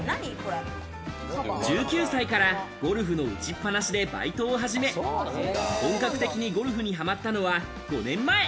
１９歳からゴルフの打ちっぱなしでバイトを始め、本格的にゴルフにはまったのは５年前。